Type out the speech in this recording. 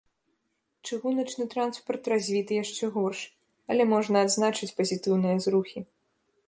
Чыгуначны транспарт развіты яшчэ горш, але можна адзначыць пазітыўныя зрухі.